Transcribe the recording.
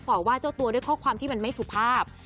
ว่าเจ้าตัวด้วยข้อความที่มันไม่สุภาพ